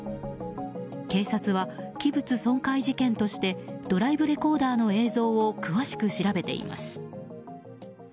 警察は、器物損壊事件としてドライブレコーダーの映像を詳しく調べています。